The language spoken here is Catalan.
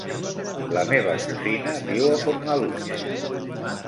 La meva cosina viu a Fornalutx.